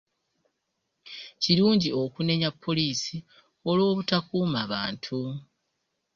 Kirungi okunenya poliisi olw'obutakuuma bantu.